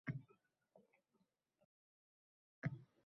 Bir ozdan keyin ko`zimni ochsam shifoxonada yotgan ekanman